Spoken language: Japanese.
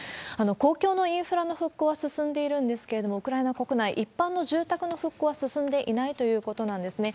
公共のインフラの復興は進んでいるんですけれども、ウクライナ国内、一般の住宅の復興は進んでいないということなんですね。